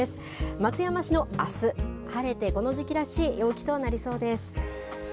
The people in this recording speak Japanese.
松山市のあす、晴れてこの時期らしい陽気となりそうです。